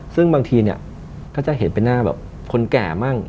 ซึ่งบางทีเนี่ยก็จะเห็นเป็นหน้าแบบคนแก่มั่ง